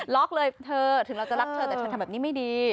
ล็อกเลยเธอถึงเราจะรักเธอแต่เธอทำแบบนี้ไม่ดี